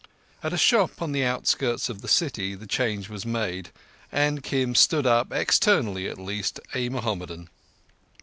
At a shop on the outskirts of the city the change was made, and Kim stood up, externally at least, a Mohammedan.